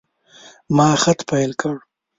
ما خط پیل کړ.